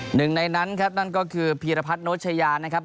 หนึ่งในนั้นครับนั่นก็คือพีรพัฒนโชชยานะครับ